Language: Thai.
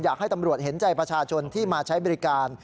อยากให้ตำรวจเห็นใจประชาชนที่มาใช้บริการ